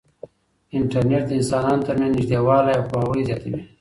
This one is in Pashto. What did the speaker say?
انټرنیټ د انسانانو ترمنځ نږدېوالی او پوهاوی زیاتوي.